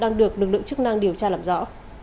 đang được lực lượng chức năng điều tra làm rõ